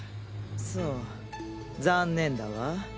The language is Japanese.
そう残念だわ。